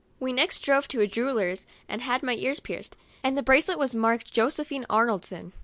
We next drove to a jeweller's, and had my ears pierced, and the bracelet was marked " Josephine Arnoldson."